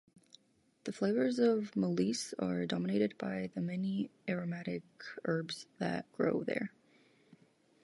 The flavors of Molise are dominated by the many aromatic herbs that grow there.